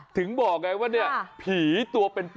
ถึงบอกไงว่าเนี่ยผีตัวเป็น